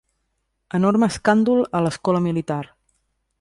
Enorme escàndol a l'escola militar.